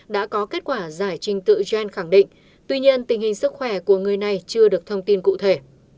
đã có kết quả giải trình tự gen khẳng định tuy nhiên tình hình sức khỏe của người này chưa được thông tin cụ thể